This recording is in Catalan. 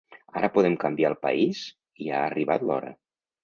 Ara podem canviar el país i ha arribat l’hora.